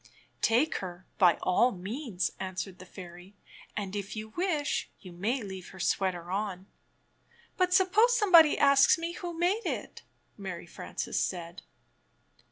"Take her, by all means" answered the fairy; "and, if you wish, you may leave her sweater on." "But suppose someone asks me who made it?" Mary Frances said.